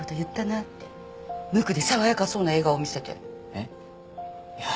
えっ？いや。